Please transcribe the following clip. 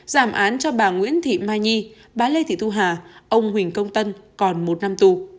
giảm án cho bà nguyễn thị mai nhi bà lê thị thu hà ông huỳnh công tân còn một năm tù